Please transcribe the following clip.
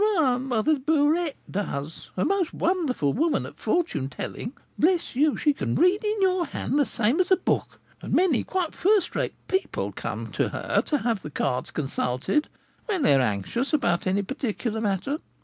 "Why, Mother Burette does, a most wonderful woman at fortune telling; bless you, she can read in your hand the same as a book, and many quite first rate people come to her to have the cards consulted when they are anxious about any particular matter.